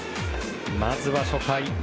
まずは初回。